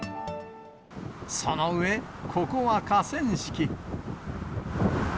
その上、ここは河川敷。